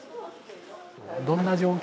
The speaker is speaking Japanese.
どんな状況？